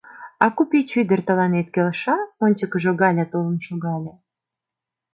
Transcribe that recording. — А купеч ӱдыр тыланет келша? — ончыкыжо Галя толын шогале.